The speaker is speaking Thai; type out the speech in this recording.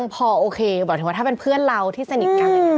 พอโอเคหมายถึงว่าถ้าเป็นเพื่อนเราที่สนิทกัน